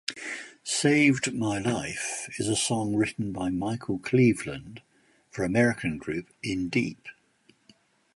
Saved My Life is a song written by Michael Cleveland for American group Indeep.